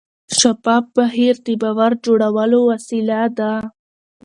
شفاف بهیر د باور جوړولو وسیله ده.